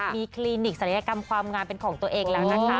มีคลินิกศัลยกรรมความงามเป็นของตัวเองแล้วนะคะ